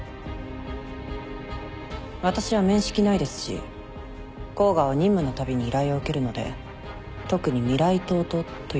私は面識ないですし甲賀は任務のたびに依頼を受けるので特に未来党とというわけでも